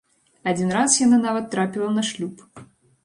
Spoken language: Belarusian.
Адзін раз яна нават трапіла на шлюб.